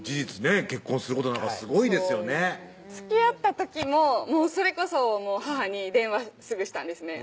結婚することになるからすごいですよねつきあった時もそれこそもう母に電話すぐしたんですね